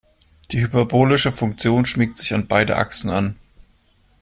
Die hyperbolische Funktion schmiegt sich an beide Achsen an.